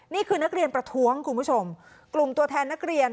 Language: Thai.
นี่คือนักเรียนประท้วงคุณผู้ชมกลุ่มตัวแทนนักเรียน